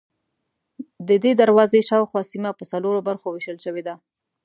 ددې دروازې شاوخوا سیمه په څلورو برخو وېشل شوې ده.